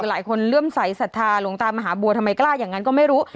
หลายคนเลื่อมใสสัทธาหลวงตามหาบัวทำไมกล้าอย่างนั้นก็ไม่รู้